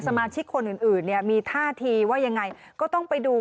สมาชิกคนอื่นเนี่ยมีท่าทีว่ายังไงก็ต้องไปดู